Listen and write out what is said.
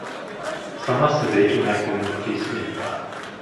Сама сидить у м'якому кріслі.